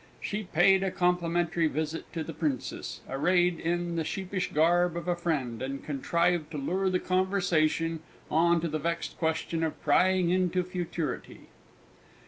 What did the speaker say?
She paid a complimentary visit to the Princess, arrayed in the sheepish garb of a friend, and contrived to lure the conversation on to the vexed question of prying into futurity.